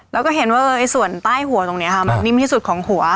แล้วก็เห็นว่าส่วนใต้หัวตรงนี้ค่ะมันนิ่มที่สุดของหัว